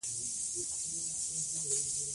تالابونه د افغانستان د طبیعي ښکلا یوه برخه ده.